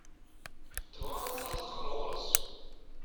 Tebɣa ad teṭṭerḍeq ɣer ɣur-s.